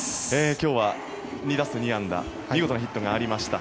今日は２打数２安打見事なヒットがありました。